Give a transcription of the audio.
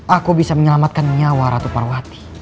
aku bisa menyelamatkan nyawa ratu parwati